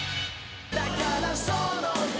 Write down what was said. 「だからその手を」